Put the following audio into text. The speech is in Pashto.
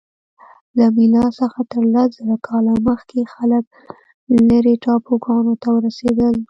له میلاد څخه تر لس زره کاله مخکې خلک لیرې ټاپوګانو ته ورسیدل.